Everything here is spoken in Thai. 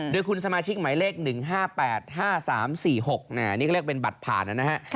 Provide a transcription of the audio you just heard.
โดยคุณสมาชิกหมายเลข๑๕๘๕๓๔๖นี่ก็เรียกเป็นบัตรผ่านนะฮะ